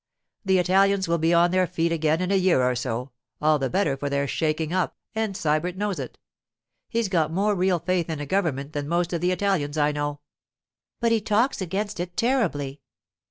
The Italians will be on their feet again in a year or so, all the better for their shaking up, and Sybert knows it. He's got more real faith in the government than most of the Italians I know.' 'But he talks against it terribly.